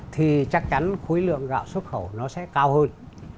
thì chắc chắn khối lượng gạo xuất khẩu nó sẽ cao hơn